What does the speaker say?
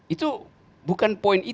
itu bukan poin